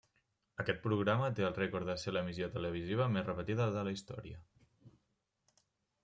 Aquest programa té el rècord de ser l'emissió televisiva més repetida de la història.